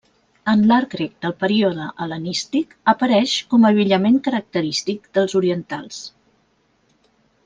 En l'art grec del període hel·lenístic apareix com a abillament característic dels orientals.